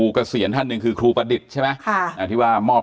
หมอปลามือปราบสัมภเวษีนะครับ